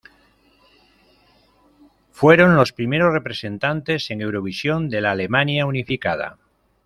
Fueron los primeros representantes en Eurovisión de la Alemania unificada.